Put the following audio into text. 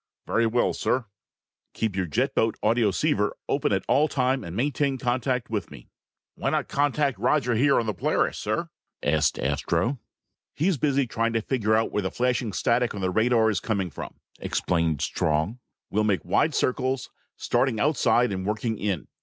"Very well, sir." "Keep your jet boat audioceiver open all the time and maintain contact with me." "Why not contact Roger here on the Polaris, sir?" asked Astro. "He's busy trying to find out where the flashing static on the radar is coming from," explained Strong. "We'll make wide circles, starting outside and working in.